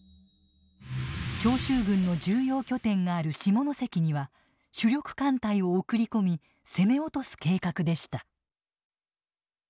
長州軍の重要拠点がある下関には主力艦隊を送り込み攻め落とす計画でした。